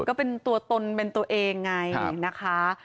ก็เป็นตัวตนเป็นตัวเองไงนะคะ